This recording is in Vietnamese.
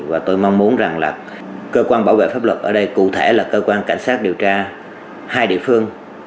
và tôi mong muốn rằng là cơ quan bảo vệ pháp luật ở đây cụ thể là cơ quan cảnh sát điều tra hai địa phương